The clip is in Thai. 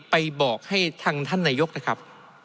ไปบอกให้ทางท่านนายกนะครับ